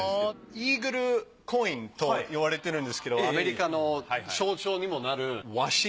イーグルコインと言われてるんですけどアメリカの象徴にもなるワシ。